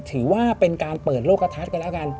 ถือว่าเป็นการเปิดโลกกระทัดกันแล้วกัน